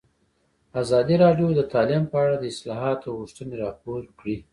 ازادي راډیو د تعلیم په اړه د اصلاحاتو غوښتنې راپور کړې.